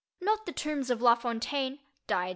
Not the tombs of La Fontaine (d.